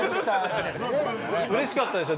うれしかったでしょ？